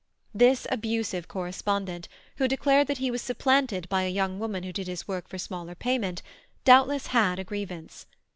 This abusive correspondent, who declared that he was supplanted by a young woman who did his work for smaller payment, doubtless had a grievance.